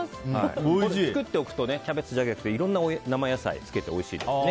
作っておくとキャベツだけじゃなくていろんな生野菜につけてもおいしいですね。